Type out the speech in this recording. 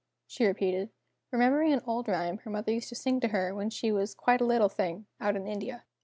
she repeated, remembering an old rhyme her mother used to sing to her when she was "quite a little thing" out in India.